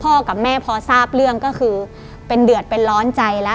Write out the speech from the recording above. กับแม่พอทราบเรื่องก็คือเป็นเดือดเป็นร้อนใจแล้ว